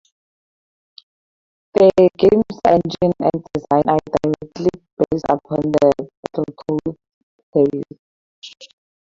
The game's engine and design are directly based upon the "Battletoads" series.